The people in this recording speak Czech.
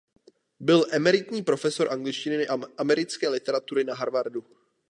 Byl emeritní profesor angličtiny a americké literatury na Harvardu.